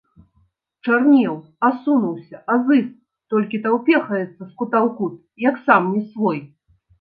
Учарнеў, асунуўся, азыз, толькі таўпехаецца з кута ў кут, як сам не свой.